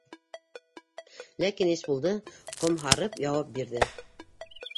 Ләкин Ишбулды ҡомһарып яуап бирҙе: